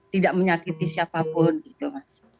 tidak menyakiti siapapun gitu mas